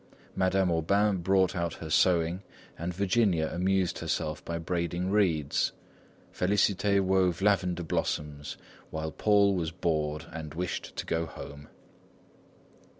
Madame Aubain brought out her sewing, and Virginia amused herself by braiding reeds; Félicité wove lavender blossoms, while Paul was bored and wished to go home.